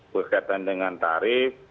berkaitan dengan tarif